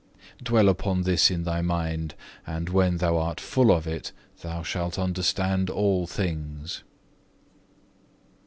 Dwell upon this in thy mind, and when thou art full of it, thou shalt understand all things."